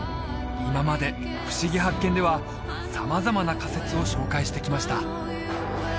今まで「ふしぎ発見！」では様々な仮説を紹介してきました